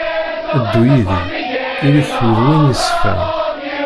Ddu yid-i, ili-k d win yeṣfan.